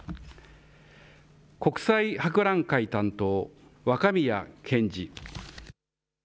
国際博覧会担当、若宮健嗣。